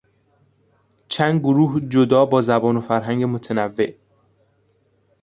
چند گروه جدا با زبان و فرهنگ متنوع